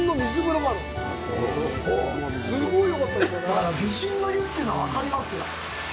だから、美人の湯というのが分かりますよ。